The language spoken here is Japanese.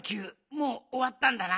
もうおわったんだな。